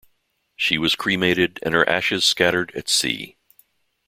She was cremated and her ashes scattered at sea.